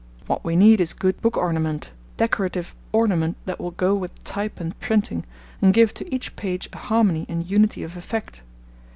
What we need is good book ornament, decorative ornament that will go with type and printing, and give to each page a harmony and unity of effect.